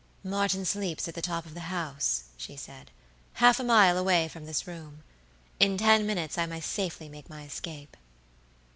"Martin sleeps at the top of the house," she said, "half a mile away from this room. In ten minutes I may safely make my escape."